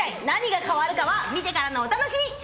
何が変わるかは、見てからのお楽しみ。